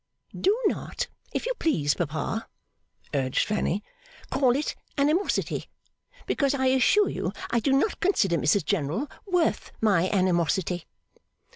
'Do not, if you please, papa,' urged Fanny, 'call it animosity, because I assure you I do not consider Mrs General worth my animosity.